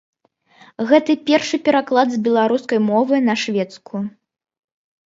Гэта першы пераклад з беларускай мовы на шведскую.